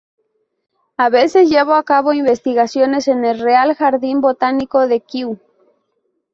A veces, llevó a cabo investigaciones en el Real Jardín Botánico de Kew.